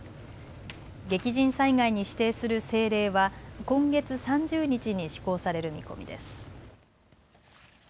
激甚災害に指定する政令は今月３０日に施行される見込みです。